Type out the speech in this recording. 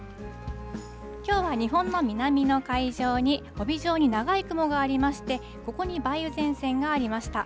きょうは日本の南の海上に、帯状に長い雲がありまして、ここに梅雨前線がありました。